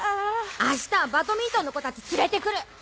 明日はバドミントンのコたち連れてくる！